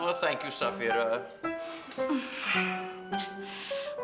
apa masih harus diizinkan tinggal di sini